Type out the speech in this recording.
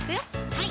はい